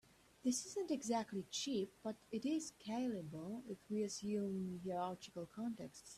This isn't exactly cheap, but it is scalable if we assume hierarchical contexts.